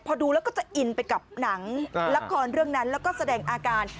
พอดูแล้วก็จะอินไปกับหนังละครเรื่องนั้นแล้วก็แสดงอาการ